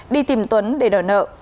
đi tìm tuấn để đòi nợ